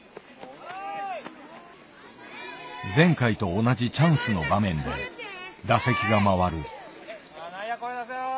前回と同じチャンスの場面で打席が回る。